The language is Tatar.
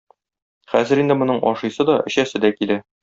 Хәзер инде моның ашыйсы да, эчәсе дә килә.